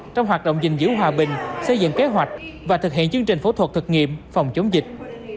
trong hoạt động gìn giữ hòa bình xây dựng kế hoạch và thực hiện chương trình phẫu thuật thực nghiệm phòng chống dịch